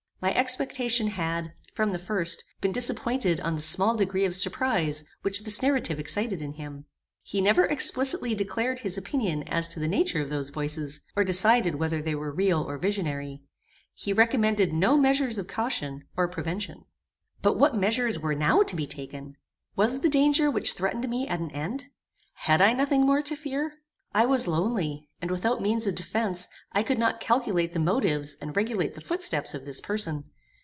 My expectation had, from the first, been disappointed on the small degree of surprize which this narrative excited in him. He never explicitly declared his opinion as to the nature of those voices, or decided whether they were real or visionary. He recommended no measures of caution or prevention. But what measures were now to be taken? Was the danger which threatened me at an end? Had I nothing more to fear? I was lonely, and without means of defence. I could not calculate the motives and regulate the footsteps of this person.